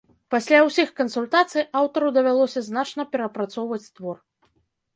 Пасля ўсіх кансультацый аўтару давялося значна перапрацоўваць твор.